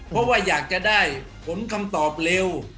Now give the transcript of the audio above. เพราะว่าอยากจะได้ผลคำตอบเร็ว